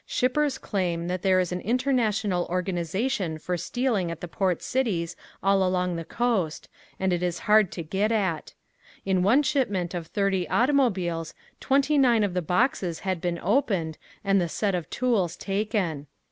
Shippers claim that there is an international organization for stealing at the port cities all along the coast and it is hard to get at. In one shipment of thirty automobiles twenty nine of the boxes had been opened and the set of tools taken.